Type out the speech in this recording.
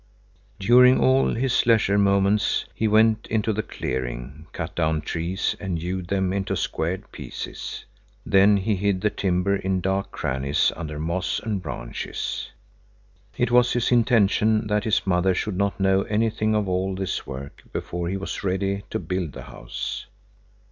During all his leisure moments he went into the clearing, cut down trees and hewed them into squared pieces. Then he hid the timber in dark crannies under moss and branches. It was his intention that his mother should not know anything of all this work before he was ready to build the house.